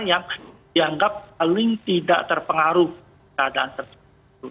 yang dianggap paling tidak terpengaruh keadaan tersebut